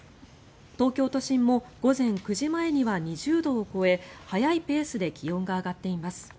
東京都心も午前９時前には２０度を超え早いペースで気温が上がっています。